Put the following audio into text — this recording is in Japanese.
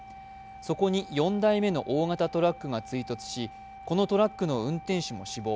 そこに４台目の大型トラックが追突し、このトラックの運転手も死亡。